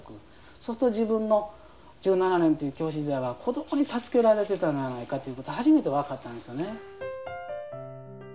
そうすると自分の１７年という教師時代は子供に助けられてたんやないかと初めて分かったんですよね。